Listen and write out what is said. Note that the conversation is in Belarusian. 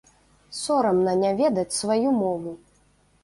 Сорамна не ведаць сваю мову!